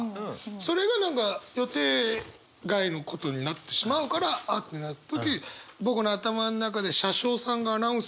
それが何か予定外のことになってしまうから「あっ！」ってなる時僕の頭の中で車掌さんがアナウンスすんの。